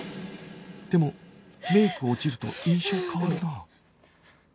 でもメイク落ちると印象変わるな